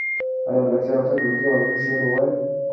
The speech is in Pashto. آیا ملکیار هوتک په ملي اوزانو شعر وایه؟